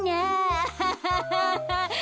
アハハハ。